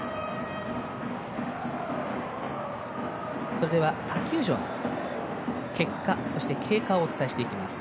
それでは、他球場の結果そして経過をお伝えしていきます。